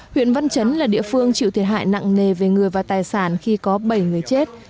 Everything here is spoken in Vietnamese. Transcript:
huyện văn chấn là địa phương chịu thiệt hại nặng nề về người và tài sản khi có bảy người chết